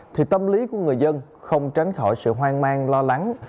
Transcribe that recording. thì tâm lý của người dân không tránh khỏi sự hoang mang lo lắng